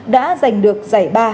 đã giành được giải ba